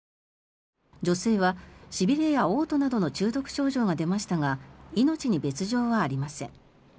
女性はしびれやおう吐などの中毒症状が出ましたが命に別条はありません。